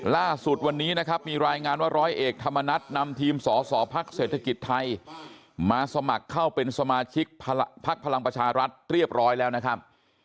ล่าสุดวันนี้นะครับมีรายงานว่าร้อยเอกธรรมนัฐนำทีมสสพักเศรษฐกิจไทยมาสมัครเข้าเป็นสมาชิกพักพลังประชารัฐเรียบร้อยแล้วนะครับ